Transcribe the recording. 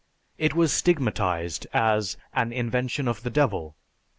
It was stigmatized as "an invention of the Devil."